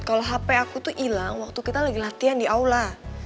kalau hp aku tuh hilang waktu kita lagi latihan di aula